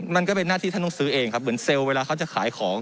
มันก็เป็นหน้าที่ท่านต้องซื้อเองครับเหมือนเซลล์เวลาเขาจะขายของ